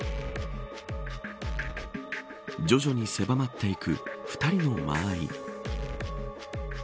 徐々に狭まっていく２人の間合い。